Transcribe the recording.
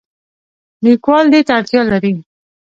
لیکوال دې ته اړتیا لري.